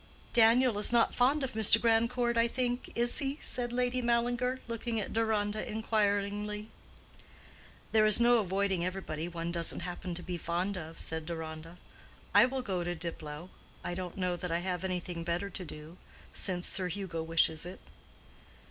"Daniel is not fond of Mr. Grandcourt, I think, is he?" said Lady Mallinger, looking at Deronda inquiringly. "There is no avoiding everybody one doesn't happen to be fond of," said Deronda. "I will go to Diplow—I don't know that I have anything better to do—since Sir Hugo wishes it."